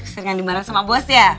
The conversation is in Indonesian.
seringan di bareng sama bos ya